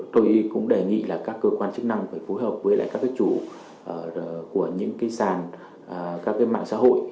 tôi cũng đề nghị là các cơ quan chức năng phải phối hợp với lại các cái chủ của những cái sàn các cái mạng xã hội